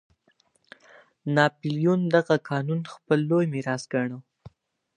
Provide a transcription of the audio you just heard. ناپلیون دغه قانون خپل لوی میراث ګاڼه.